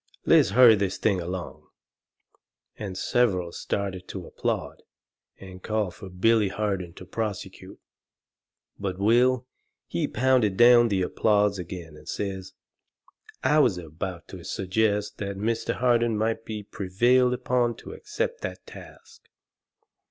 Let's hurry this thing along!" And several started to applaud, and call fur Billy Harden to prosecute. But Will, he pounded down the applause agin, and says: "I was about to suggest that Mr. Harden might be prevailed upon to accept that task."